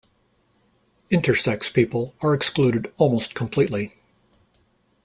Intersex people are excluded almost completely.